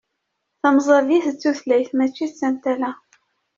Tamẓabit d tutlayt mačči d tantala.